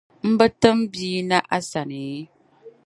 N bi tim bia na asani?